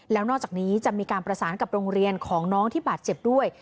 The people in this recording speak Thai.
แล้วนอกจากนี้จะมีการประสานกับโรงเรียนของน้องที่บาดเจ็บด้วย